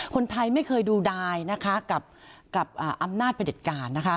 คนไทยไม่เคยดูดายกับอำนาจประเด็จการ